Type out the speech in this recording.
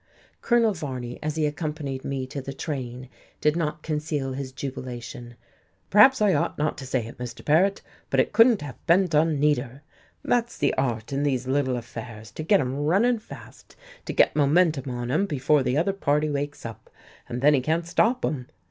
Colonel Varney, as he accompanied me to the train, did not conceal his jubilation. "Perhaps I ought not to say it, Mr. Paret, but it couldn't have been done neater. That's the art in these little affairs, to get 'em runnin' fast, to get momentum on 'em before the other party wakes up, and then he can't stop 'em."